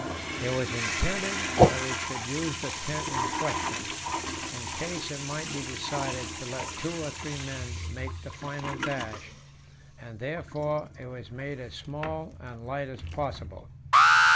It was intended that we should use the tent in question, in case it might be decided to let two or three men make the final dash, and therefore it was made as small and light as possible.